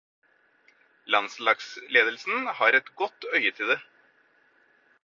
Landslagsledelsen har et godt øye til det.